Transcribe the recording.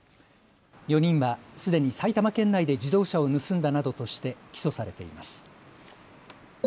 ４人はすでに埼玉県内で自動車を盗んだなどとして起訴されています。